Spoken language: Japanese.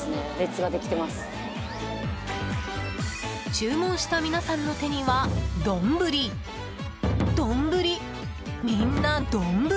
注文した皆さんの手には丼、丼、みんな丼！